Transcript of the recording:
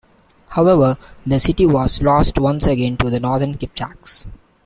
However, the city was lost once again to the northern Kipchaks.